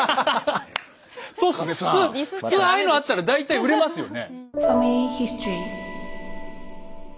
普通ああいうのあったら大体売れますよね。